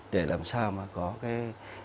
để làm sao mà có cái